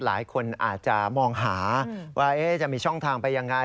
หลายคนอาจจะมองหาว่าจะมีช่องทางไปยังไง